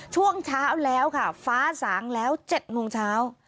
ช่วงเช้าแล้วค่ะฟ้าสางแล้ว๗โมงเช้า